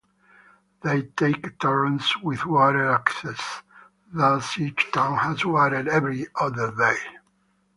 They take turns with water access, thus each town has water every other day.